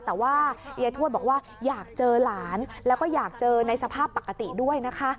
แต่ว่ายายทวดบอกว่าอยากเจอหลานแล้วก็อยากเจอในสภาพปกติด้วยนะคะ